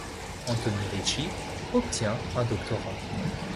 Anthony Ritchie obtient un Ph.D.